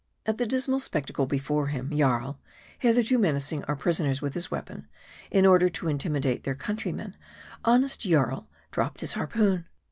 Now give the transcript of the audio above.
At the dismal spectacle before him, Jarl, hitherto men acing our prisoners with his weapon, in order to intimidate their countrymen, honest Jarl dropped his harpoon.